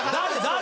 誰？